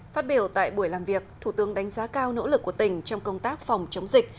phát biểu tại buổi làm việc thủ tướng đánh giá cao nỗ lực của tỉnh trong công tác phòng chống dịch